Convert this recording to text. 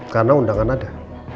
karena undangan ada